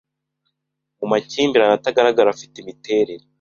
Mu makimbirane atagaragara afite imiterere